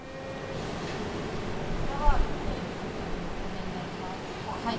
こちらは金のいぶきというお米になります。